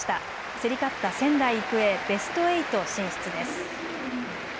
競り勝った仙台育英、ベスト８進出です。